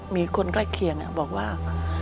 มีคนใกล้เคียงบอกว่า